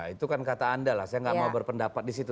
itu kan kata anda lah saya nggak mau berpendapat di situ